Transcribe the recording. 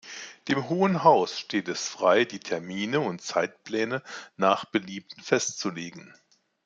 Dem Hohen Haus steht es frei, die Termine und Zeitpläne nach Belieben festzulegen.